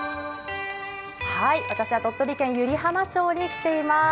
私は鳥取県湯梨浜町に来ています。